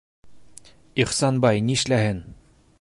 Ихсанбай нишләһен?